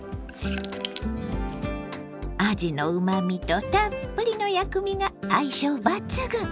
あじのうまみとたっぷりの薬味が相性抜群！